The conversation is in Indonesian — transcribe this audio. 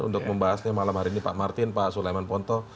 untuk membahasnya malam hari ini pak martin pak sulaiman ponto